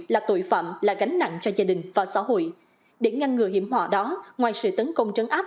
là tội phạm là gánh nặng cho gia đình và xã hội để ngăn ngừa hiểm họa đó ngoài sự tấn công trấn áp